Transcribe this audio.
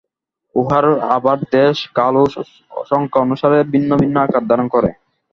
উহারা আবার দেশ, কাল ও সংখ্যা অনুসারে ভিন্ন ভিন্ন আকার ধারণ করে।